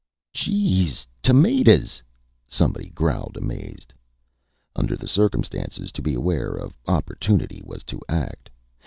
"Jeez tamadas!" somebody growled, amazed. Under the circumstances, to be aware of opportunity was to act.